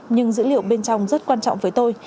nhưng dữ liệu bên trong rất quan trọng với tôi